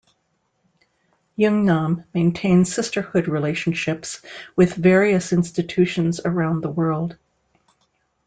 Yeungnam maintains sisterhood relationships with various institutions around the world.